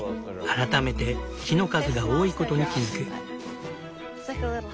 改めて木の数が多いことに気付く。